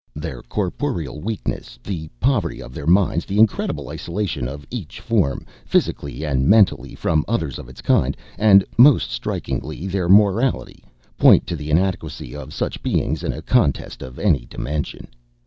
Their corporeal weakness, the poverty of their minds, the incredible isolation of each form, physically and mentally, from others of its kind, and, most strikingly, their mortality, point to the inadequacy of such beings in a contest of any dimension.